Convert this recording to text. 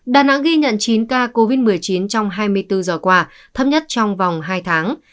đà nẵng ghi nhận chín ca covid một mươi chín trong hai mươi bốn giờ qua thấp nhất trong vòng hai tháng